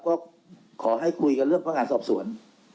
ก็ขอให้คุยกันเรื่องพนักงานสอบสวน